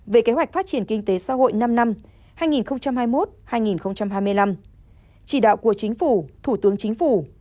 về kế hoạch phát triển kinh tế xã hội năm năm hai nghìn hai mươi một hai nghìn hai mươi năm chỉ đạo của chính phủ thủ tướng chính phủ